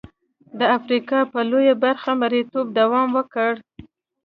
د افریقا په لویه برخه مریتوب دوام وکړ.